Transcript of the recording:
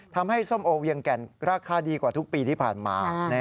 ส้มโอเวียงแก่นราคาดีกว่าทุกปีที่ผ่านมา